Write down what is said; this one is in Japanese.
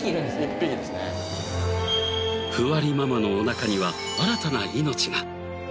ふわりママのおなかには新たな命が。